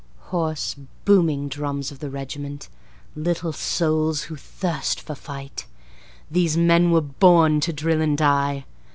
Hoarse, booming drums of the regiment, Little souls who thirst for fight, These men were born to drill and die.